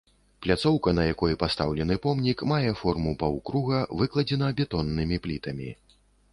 Пляцоўка, на якой пастаўлены помнік, мае форму паўкруга, выкладзена бетоннымі плітамі.